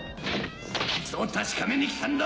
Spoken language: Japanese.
そいつを確かめに来たんだ！